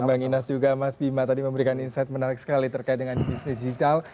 bang inas juga mas bima tadi memberikan insight menarik sekali terkait dengan bisnis digital